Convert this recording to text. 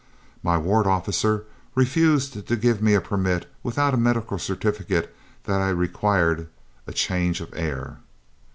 "My 'ward officer' refused to give me a permit without a medical certificate that I required a change of air.